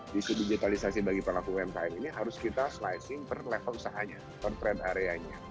di sudut alisasi bagi pengakuan time ini harus kita slicing per level sahaja konten areanya